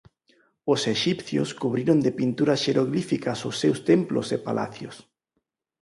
Os exipcios cubriron de pinturas xeroglíficas os seus templos e palacios.